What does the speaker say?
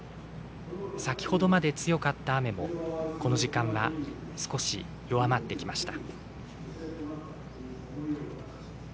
先ほどまで強かった雨もこの時間は少し弱まってきました。